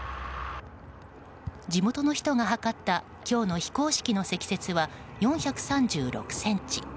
地元の人が測った今日の非公式の積雪は４３６ｃｍ。